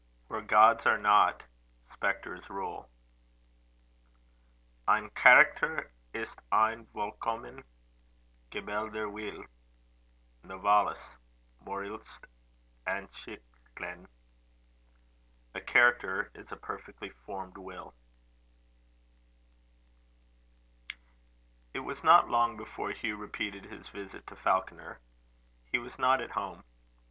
Where gods are not, spectres rule. Ein Charakter ist ein vollkommen gebildeter Wille. NOVALIS. Moralische Ansichten. A character is a perfectly formed will. It was not long before Hugh repeated his visit to Falconer. He was not at home.